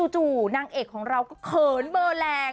นางเอกของเราก็เขินเบอร์แรง